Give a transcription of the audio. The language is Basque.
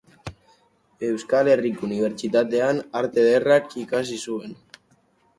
Euskal Herriko Unibertsitatean Arte Ederrak ikasi zuen.